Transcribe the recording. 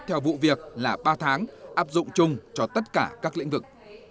theo vụ việc là ba tháng áp dụng chung cho tất cả các lĩnh vực